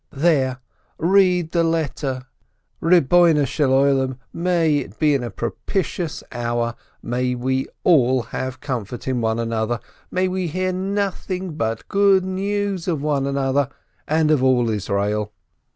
"There, read the letter, Lord of the World, may it be in a propitious hour, may we all have comfort in one another, may we hear nothing but good news of one another and of All Israel